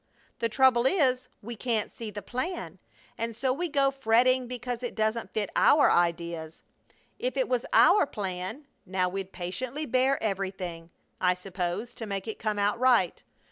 The trouble is we can't see the plan, and so we go fretting because it doesn't fit our ideas. If it was our plan now we'd patiently bear everything, I suppose, to make it come out right.